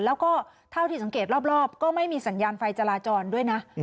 แล้วก็เท่าที่สังเกตรอบก็ไม่มีสัญญาณไฟจราจรด้วยนะ